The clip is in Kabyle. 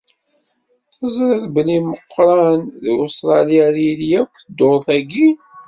Teẓriḍ belli Meqqran deg Ustṛalya ara yili akk dduṛt-agi?